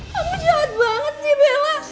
kamu jahat banget ji bella